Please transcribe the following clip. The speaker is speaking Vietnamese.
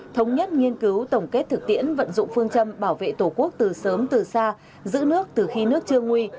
thống nhất nghiên cứu tổng kết thực tiễn vận dụng phương châm bảo vệ tổ quốc từ sớm từ xa giữ nước từ khi nước chưa nguy